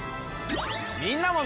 みんなも。